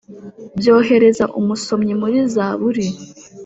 byohereza umusomyi muri zaburi